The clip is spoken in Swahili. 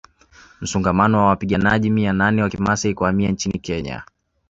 Msongamano wa wapiganaji mia nane wa Kimasai kuhamia nchini Kenya